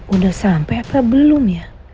udah sampai apa belum ya